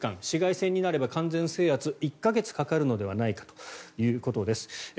市街戦になれば、完全制圧１か月かかるのではないかということです。